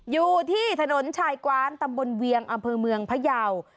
อยู่ที่ถนนชายกว้านตำบลเวียงอำเภอเมืองพยาว